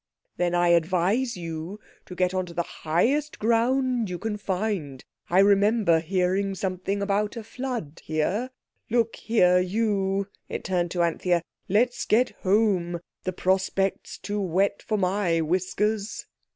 "Then I advise you to get on to the highest ground you can find. I remember hearing something about a flood here. Look here, you"—it turned to Anthea; "let's get home. The prospect's too wet for my whiskers."